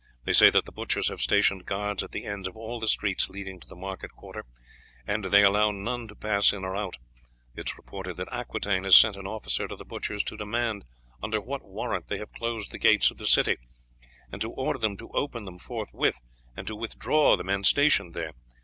They say that the butchers have stationed guards at the end of all the streets leading to the market quarter, and they allow none to pass in or out. It is reported that Aquitaine has sent an officer to the butchers to demand under what warrant they have closed the gates of the city, and to order them to open them forthwith, and to withdraw the men stationed there.